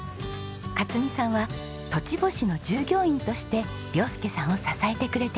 克美さんは栃星の従業員として亮佑さんを支えてくれています。